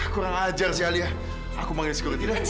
kurang ajar sih alia aku panggil sekuritnya